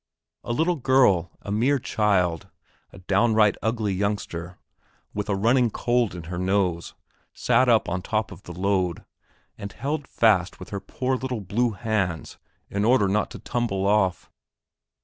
A little girl a mere child, a downright ugly youngster, with a running cold in her nose sat up on top of the load, and held fast with her poor little blue hands in order not to tumble off.